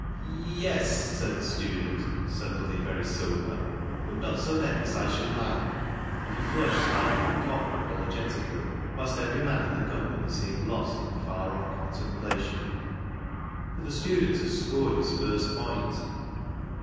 " Y e s," said the student, suddenly very sober ;" but not so many as I should like." And he flushed slightly and coughed apologetic ally, whilst every man in the company seemed lost in far off contemplation. But the student had scored his first point.